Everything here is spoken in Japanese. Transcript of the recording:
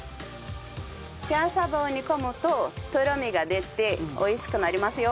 キャッサバを煮込むととろみが出て美味しくなりますよ。